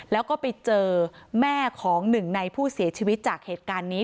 แล้วก็ไปเจอแม่ของหนึ่งในผู้เสียชีวิตจากเหตุการณ์นี้